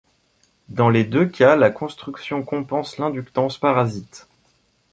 Dans les deux cas, la construction compense l'inductance parasite.